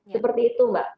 seperti itu mbak